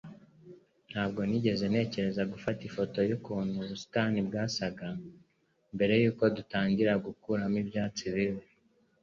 Ntabwo nigeze ntekereza gufata ifoto yukuntu ubusitani bwasaga mbere yuko dutangira gukuramo ibyatsi bibi